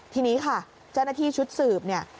ทีนี้ค่ะเจ้าหน้าที่ชุดสืบเนี่ย